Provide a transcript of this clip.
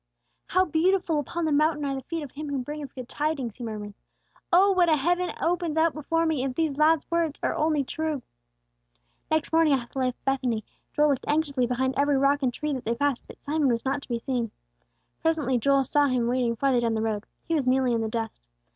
"How beautiful upon the mountain are the feet of him who bringeth good tidings!" he murmured. "Oh, what a heaven opens out before me, if this lad's words are only true!" Next morning, after they left Bethany, Joel looked anxiously behind every rock and tree that they passed; but Simon was not to be seen. Presently Joel saw him waiting farther down the road; he was kneeling in the dust.